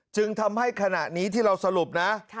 จึงทำให้ขณะนี้ที่เราสรุปนะ